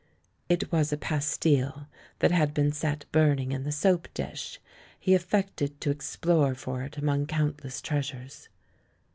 It was a pastille that had been set burning in the soap dish. He affected to explore for it among countless treasures.